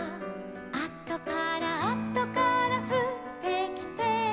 「あとからあとからふってきて」